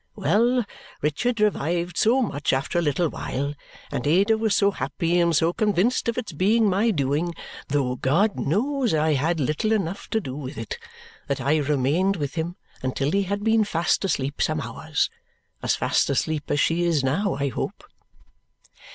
Well! Richard revived so much after a little while, and Ada was so happy and so convinced of its being my doing, though God knows I had little enough to do with it, that I remained with him until he had been fast asleep some hours. As fast asleep as she is now, I hope!"